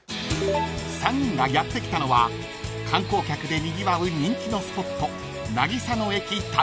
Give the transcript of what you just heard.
［３人がやって来たのは観光客でにぎわう人気のスポット］